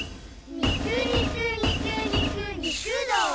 肉肉肉肉肉、どーお？